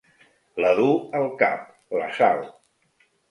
La du al cap, la Sal.